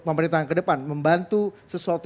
pemerintahan kedepan membantu sesuatu